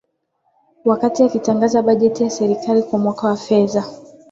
wakati akitangaza bajeti ya serikali kwa mwaka wa fedha